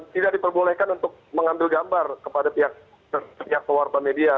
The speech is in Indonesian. tidak diperbolehkan untuk mengambil gambar kepada pihak keluarga media